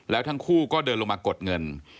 แล้วทั้งคู่ก็เดินลงมากดเงิน